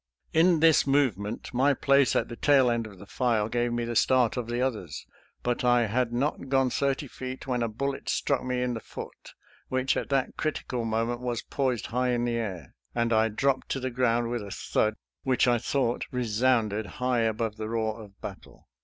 In this move^ 266 SOLDIER'S LETTERS TO CHARMING NELLIE ment my place at the tail end of the file gave' me the start of the others, but I had not gone thirty feet when a bullet struck me in the foot, which at that critical moment was poised high in the air, and I dropped to the ground with a thud which I thought resounded high above the roar of battle.